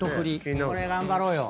これ頑張ろうよ。